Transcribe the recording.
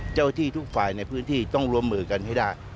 เจ้าที่ทุกฝ่ายในพื้นที่ต้องร่วมมือกันให้ได้